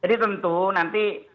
jadi tentu nanti